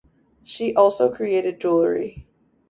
She also created jewellery.